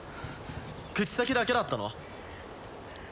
口先だけだったの？